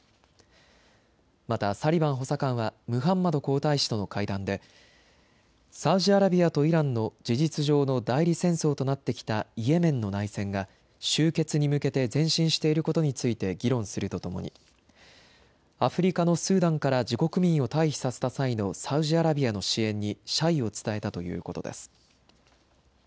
またサリバン補佐官はムハンマド皇太子との会談でサウジアラビアとイランの事実上の代理戦争となってきたイエメンの内戦が終結に向けて前進していることについて議論するとともにアフリカのスーダンから自国民を退避させた際のサウジアラビアの支援に謝意を伝えたということです。